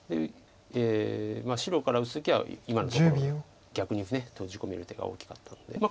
白から打つ時は今のところを逆に閉じ込める手が大きかったので。